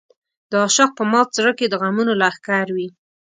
د عاشق په مات زړه کې د غمونو لښکر وي.